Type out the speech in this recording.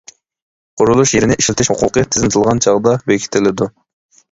قۇرۇلۇش يېرىنى ئىشلىتىش ھوقۇقى تىزىملىتىلغان چاغدا بېكىتىلىدۇ.